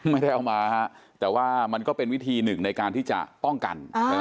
ไม่ได้เอามาแต่ว่ามันก็เป็นวิธีหนึ่งในการที่จะป้องกัน